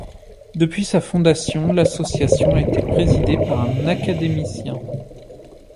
Depuis sa fondation, l'association a été présidée par un académicien.